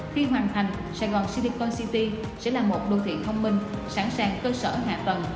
khi hoàn thành sài gòn ceco city sẽ là một đô thị thông minh sẵn sàng cơ sở hạ tầng